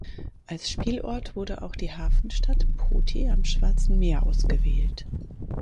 Als Spielort wurde auch die Hafenstadt Poti am Schwarzen Meer ausgewählt.